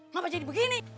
ngapa jadi begini